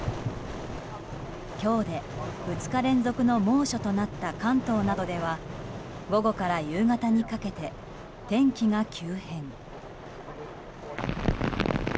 今日で２日連続の猛暑となった関東などでは午後から夕方にかけて天気が急変。